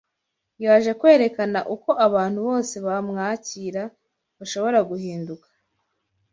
Yaje kwerekana uko abantu bose bamwakira bashobora guhinduka